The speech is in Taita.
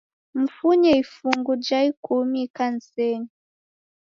Mfunye ifungu ja ikumi ikanisenyi